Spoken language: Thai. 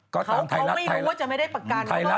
เค้าไม่รู้จะไม่ได้ประการ